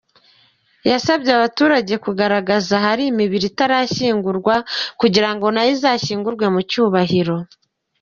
Yasabye abaturage kugaragaza ahari imibiri itarashyingurwa kugira ngo nayo izashyingurwe mu cyubahiro.